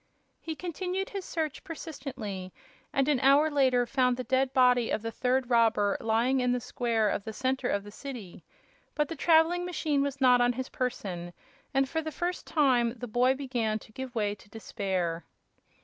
He continued his search persistently, and an hour later found the dead body of the third robber lying in the square in the center of the city. But the traveling machine was not on his person, and for the first time the boy began to give way to despair.